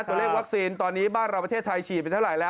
ตัวเลขวัคซีนตอนนี้บ้านเราประเทศไทยฉีดไปเท่าไหร่แล้ว